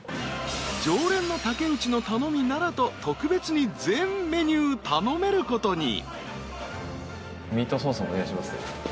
［常連の竹内の頼みならと特別に全メニュー頼めることに］